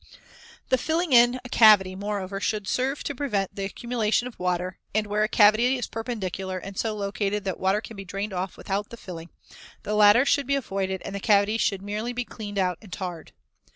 The filling in a cavity, moreover, should serve to prevent the accumulation of water and, where a cavity is perpendicular and so located that the water can be drained off without the filling, the latter should be avoided and the cavity should merely be cleaned out and tarred.